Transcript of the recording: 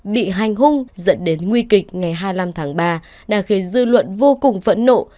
bị hành hung dẫn đến nguy kịch ngày hai mươi năm tháng ba đã khiến dư luận vô cùng phẫn nộ